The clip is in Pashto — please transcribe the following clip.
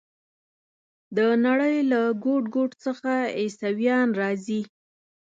د نړۍ له ګوټ ګوټ څخه عیسویان راځي.